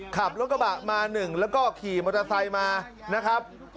ขับรถกระบะมาหนึ่งแล้วก็ขี่มอเตอร์ไซค์มานะครับ